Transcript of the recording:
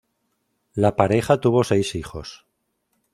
La pareja tuvo seis hijos.